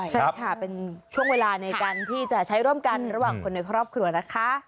ใช่ค่ะเป็นช่วงเวลาในการที่จะใช้ร่วมกันระหว่างคนในครอบครัวนะคะ